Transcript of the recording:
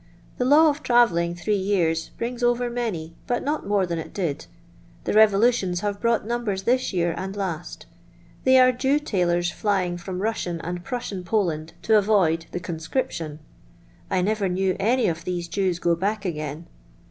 The kw of travelling three years brings over many, but not more than it did. The revo lutions have brought numbers this year and last They are Jew tailors flying from Russian and Prussian Poland to avoid the conscription. I never knew any of these Jews go back again.